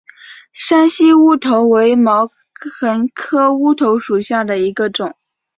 山西乌头为毛茛科乌头属下的一个种。